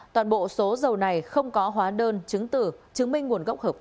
toàn bộ số dầu này không có hóa đơn chứng từ chứng minh nguồn gốc hợp pháp